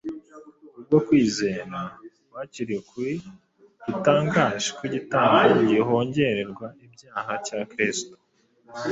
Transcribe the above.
Kubwo kwizera, bakiriye ukuri gutangaje kw’igitambo gihongerera ibyaha cya Kristo